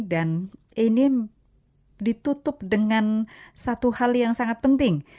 dan ini ditutup dengan satu hal yang sangat penting